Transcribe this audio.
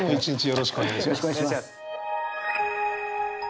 よろしくお願いします。